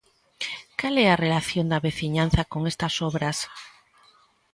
Cal é a relación da veciñanza con estas obras?